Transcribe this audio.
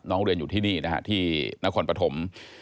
น้องเรียนอยู่ที่นี่นะครับที่นครปฐม